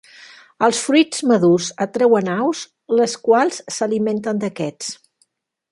Els fruits madurs atreuen aus les quals s'alimenten d'aquests.